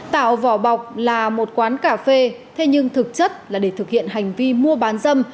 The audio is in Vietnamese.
tạo vỏ bọc là một quán cà phê thế nhưng thực chất là để thực hiện hành vi mua bán dâm